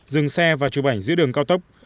dừng xe và chụp ảnh giữa đường cao tốc